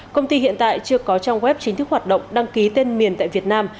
công ty hiện tại chưa có trang web chính thức hoạt động đăng ký tên miền tại việt nam